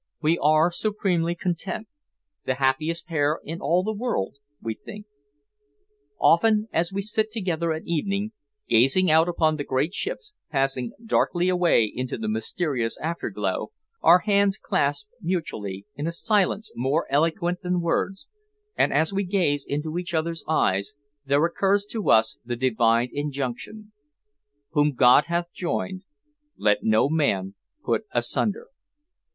We are supremely content the happiest pair in all the world, we think. Often as we sit together at evening, gazing out upon the great ships passing darkly away into the mysterious afterglow, our hands clasp mutually in a silence more eloquent than words, and as we gaze into each other's eyes there occurs to us the Divine injunction: "WHOM GOD HATH JOINED, LET NO MAN PUT ASUNDER."